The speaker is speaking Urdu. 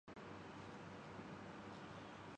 اپنے سے لگائی گئی امیدوں سے بہترکام کرتا ہوں